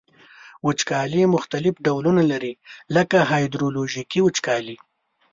وچکالي مختلف ډولونه لري لکه هایدرولوژیکي وچکالي.